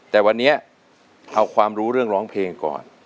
แต่วันนี้เอาความรู้เรื่องร้องเพลงก่อน